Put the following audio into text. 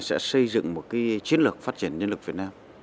sẽ xây dựng một chiến lược phát triển nhân lực việt nam